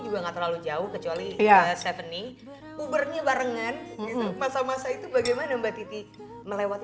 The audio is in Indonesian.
juga nggak terlalu jauh kecuali tujuh ubernya barengan masa masa itu bagaimana mbak titi melewati